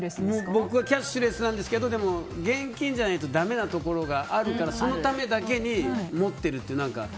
僕はキャッシュレスなんですけどでも現金じゃないとだめなところがあるからそのためだけに持ってるっていう。